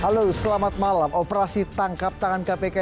halo selamat malam operasi tangkap tangan kpk